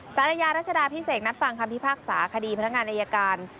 สารอาญารัชดาพิเศษนัดฟังคำพิพากษาคดีพนักงานอายการ